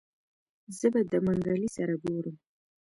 زه به د منګلي سره ګورم.